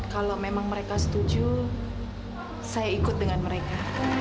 kalau memang mereka setuju saya ikut dengan mereka